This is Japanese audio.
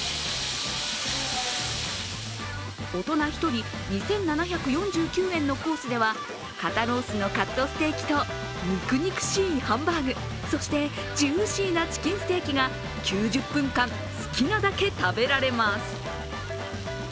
大人１人２７４９円のコースでは肩ロースのカットステーキと肉肉しいハンバーグ、そして、ジューシーなチキンステーキが９０分間、好きなだけ食べられます。